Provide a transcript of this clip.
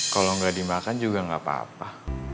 kalau gak dimakan juga gak apa apa